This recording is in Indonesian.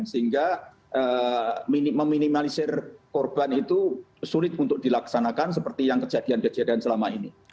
sehingga meminimalisir korban itu sulit untuk dilaksanakan seperti yang kejadian kejadian selama ini